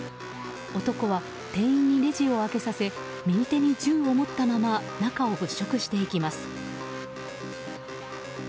男は店員にレジを開けさせ右手に銃を持ったまま中を物色していきます。